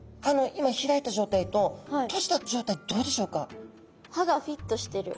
今開いた状態と閉じた状態どうでしょうか。